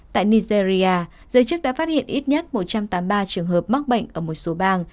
tại nigeria giới chức đã phát hiện ít nhất một trăm tám mươi ba trường hợp mắc bệnh ở một số bang